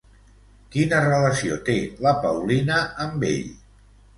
Quina relació té la Paulina amb ell?